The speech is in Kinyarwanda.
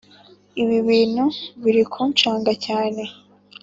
ibi bintu biri kucanga cyane